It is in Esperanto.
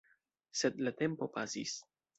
Sed la tempo pasis.